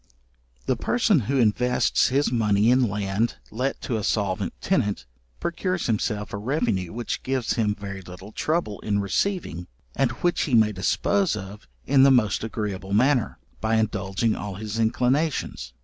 The person who invests his money in land let to a solvent tenant, procures himself a revenue which gives him very little trouble in receiving, and which he may dispose of in the most agreeable manner, by indulging all his inclinations.